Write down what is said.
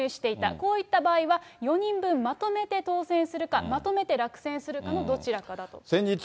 こういった場合は、４人分まとめて当せんするか、まとめて落選するかのどちらかだと。